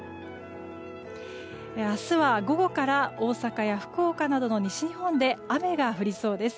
明日は午後から大阪や福岡などの西日本で雨が降りそうです。